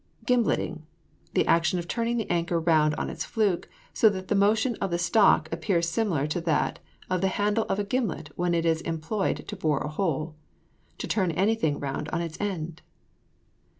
GIMBLETING. The action of turning the anchor round on its fluke, so that the motion of the stock appears similar to that of the handle of a gimlet when it is employed to bore a hole. To turn anything round on its end.